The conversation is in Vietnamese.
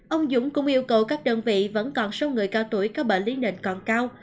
ông dũng cũng yêu cầu các đơn vị vẫn còn số người cao tuổi có bệnh lý nền còn cao